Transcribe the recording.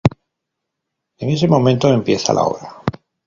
En ese momento empieza la obra.